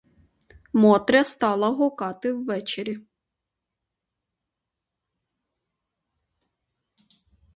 Мотря стала гукати вечері.